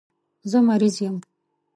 زه مریض یم.